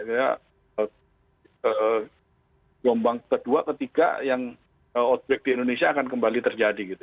gelombang kedua ketiga yang outbreak di indonesia akan kembali terjadi gitu